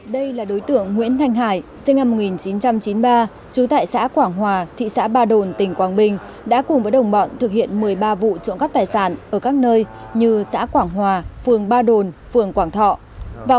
đây là đối tượng nguyễn thanh hải sinh năm một nghìn chín trăm chín mươi ba trú tại xã quảng hòa thị xã ba đồn tỉnh quảng bình đã cùng với đồng bọn thực hiện một mươi ba vụ trộm cắp tài sản ở các nơi như xã quảng hòa phường ba đồn phường quảng thọ